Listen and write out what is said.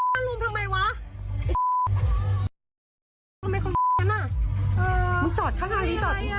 มึงจอดข้างใน